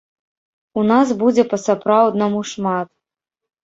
І нас будзе па-сапраўднаму шмат!